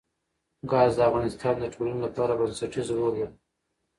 ګاز د افغانستان د ټولنې لپاره بنسټيز رول لري.